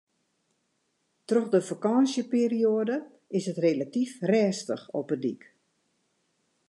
Troch de fakânsjeperioade is it relatyf rêstich op 'e dyk.